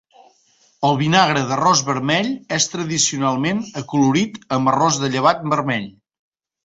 El vinagre d'arròs vermell és tradicionalment acolorit amb arròs de llevat vermell.